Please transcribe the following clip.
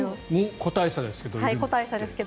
個体差ですけど。